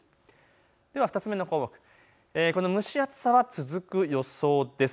では２つ目の項目、この蒸し暑さは続く予想です。